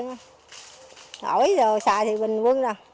nói bây giờ xài thì bình quân rồi